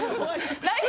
ナイス。